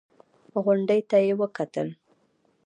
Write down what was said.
غونډۍ ته يې وکتل.